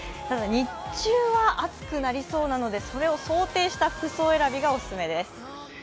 日中は暑くなりそうなのでそれを想定した服装がお勧めです。